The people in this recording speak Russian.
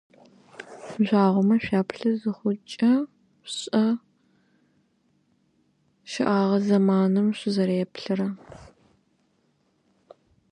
Когда вы смотрите на звезды, помните, что вы смотрите на прошлое.